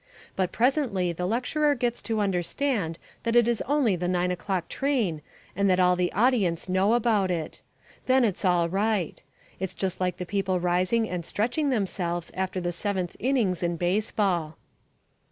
But presently the lecturer gets to understand that it is only the nine o'clock train and that all the audience know about it. Then it's all right. It's just like the people rising and stretching themselves after the seventh innings in baseball.